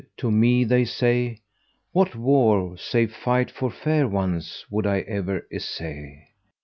to me they say: * What war save fight for fair ones would I e'er essay?